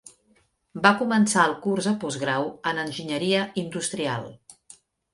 Va començar el curs de postgrau en enginyeria industrial.